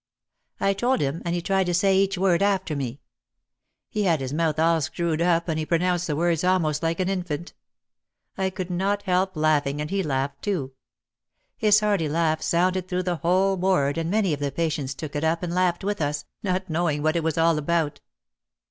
I told him and he tried to say each word after me. He had his mouth all screwed up and he pronounced the words almost like an infant. I could not help laughing and he laughed too. His hearty laugh sounded through the whole ward and many of the patients took it up and laughed with us, not knowing what it was all about.